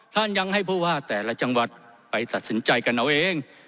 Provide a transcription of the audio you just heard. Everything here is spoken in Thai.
ท่านยังให้ผู้ว่าแต่ละจังหวัดไปตัดสินใจกันเอาเอง